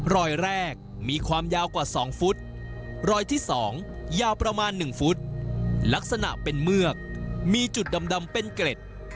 รอยแรกมีความยาวกว่า๒ฟุตรอยที่๒ยาวประมาณ๑ฟุตลักษณะเป็นเมือกมีจุดดำเป็นเกล็ด